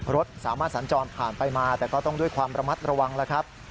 รถสามารถสัญจรผ่านไปมาแต่ก็ต้องด้วยความระมัดระวังแล้วครับ